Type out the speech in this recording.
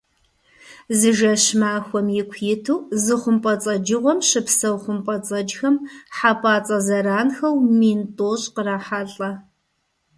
Зы жэщ-махуэм ику иту зы хъумпӀэцӀэджыгъуэм щыпсэу хъумпӀэцӀэджхэм хьэпӀацӀэ зэранхэу мин тӀощӀ кърахьэлӀэ.